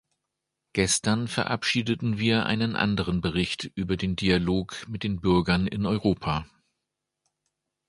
Gestern verabschiedeten wir einen anderen Bericht über den Dialog mit den Bürgern in Europa.